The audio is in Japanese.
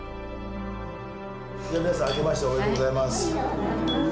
じゃあ皆さんあけましておめでとうございます。